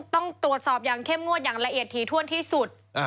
ต้องตรวจสอบอย่างเข้มงวดอย่างละเอียดถี่ถ้วนที่สุด